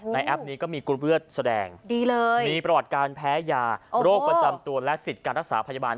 แอปนี้ก็มีกรุ๊ปเลือดแสดงดีเลยมีประวัติการแพ้ยาโรคประจำตัวและสิทธิ์การรักษาพยาบาล